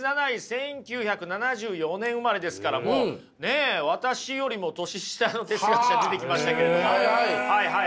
１９７４年生まれですからもうねえ私よりも年下の哲学者出てきましたけれどもはいはい。